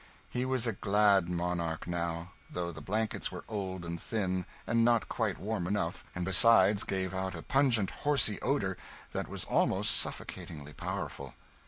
He was a glad monarch, now, though the blankets were old and thin, and not quite warm enough; and besides gave out a pungent horsey odour that was almost suffocatingly powerful.